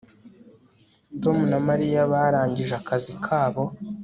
Tom na Mariya barangije akazi kabo